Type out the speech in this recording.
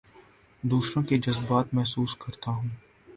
دوسروں کے جذبات محسوس کرتا ہوں